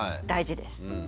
大事です。